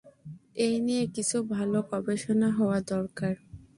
এই নিয়ে কিছু ভালো গবেষণা হওয়া দরকার।